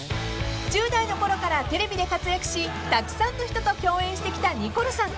［１０代のころからテレビで活躍したくさんの人と共演してきたニコルさん］